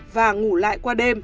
và ngủ lại